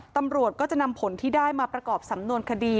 ตำรวจก็จะนำผลที่ได้มาประกอบสำนวนคดี